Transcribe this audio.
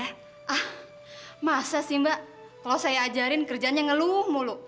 ah masa sih mbak kalau saya ajarin kerjanya ngeluh mulu